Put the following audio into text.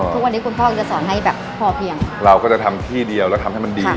คุณพ่อก็จะสอนให้แบบพอเพียงเราก็จะทำที่เดียวแล้วทำให้มันดี